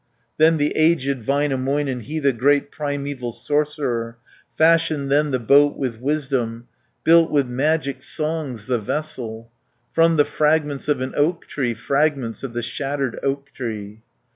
100 Then the aged Väinämöinen, He the great primeval sorcerer, Fashioned then the boat with wisdom, Built with magic songs the vessel, From the fragments of an oak tree, Fragments of the shattered oak tree.